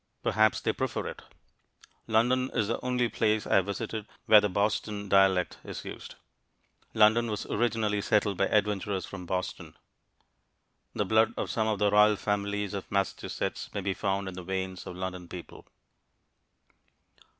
Perhaps they prefer it. London is the only place I have visited where the Boston dialect is used. London was originally settled by adventurers from Boston. The blood of some of the royal families of Massachusetts may be found in the veins of London people.